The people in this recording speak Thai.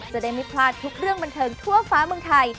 จะได้ไม่พลาดทุกเรื่องบันเทิงทั่วฟ้าเมืองไทย